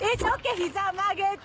膝曲げて。